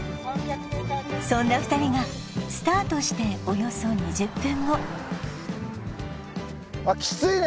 そんな２人がスタートしておよそ２０分後あっキツいね